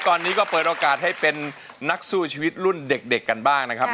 ตอนนี้ก็เปิดโอกาสให้เป็นนักสู้ชีวิตรุ่นเด็กกันบ้างนะครับ